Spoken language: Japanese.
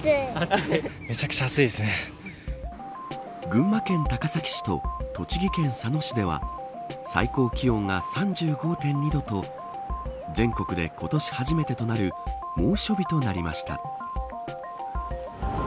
群馬県高崎市と栃木県佐野市では最高気温が３５．２度と全国で今年初めてとなる猛暑日となりました。